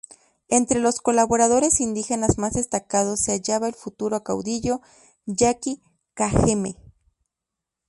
Entre los colaboradores indígenas más destacados se hallaba el futuro caudillo yaqui Cajeme.